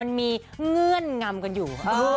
มันมีเงื่อนงำกันอยู่